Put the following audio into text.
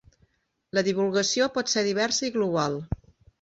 La divulgació pot ser diversa i global.